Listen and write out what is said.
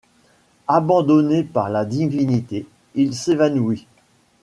Abandonné par la divinité, il s'évanouit.